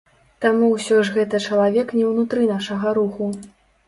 Таму ўсё ж гэта чалавек не ўнутры нашага руху.